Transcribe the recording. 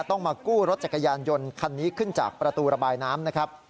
ต้องมากู้รถจักรยานยนต์คันนี้ขึ้นจากประตูระบายน้ำนะครับ